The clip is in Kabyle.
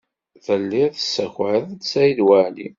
Telliḍ tesskayeḍ-d Saɛid Waɛli.